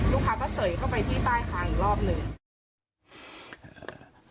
ลูกค้าก็เสยเข้าไปที่ใต้คางอีกรอบหนึ่ง